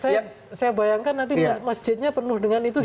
mas nyarwi saya bayangkan nanti masjidnya penuh dengan masjidnya ya